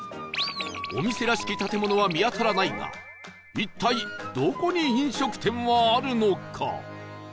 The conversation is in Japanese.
お店らしき建物は見当たらないが一体どこに飲食店はあるのか？